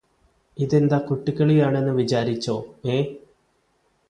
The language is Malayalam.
ഇതെന്താ കുട്ടിക്കളിയാണെന്ന് വിചാരിച്ചോ ഏഹ്